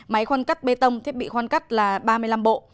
máy khoăn cắt bê tông thiết bị khoăn cắt là ba mươi năm bộ